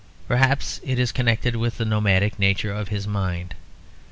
Perhaps it is connected with the nomadic nature of his mind.